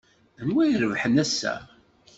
Anwa ay irebḥen ass-a?